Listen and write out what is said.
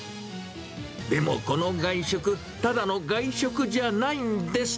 でもこの外食、ただの外食じゃないんです。